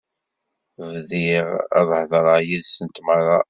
Bɣiɣ ad hedreɣ yid-sent merra.